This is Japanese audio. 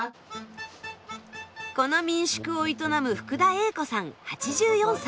この民宿を営む福田栄子さん８４歳。